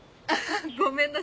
ごめんなさい。